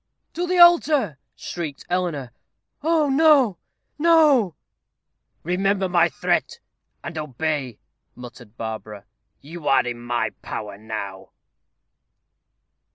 "To the altar!" shrieked Eleanor. "Oh! no no " "Remember my threat, and obey," muttered Barbara. "You are in my power now."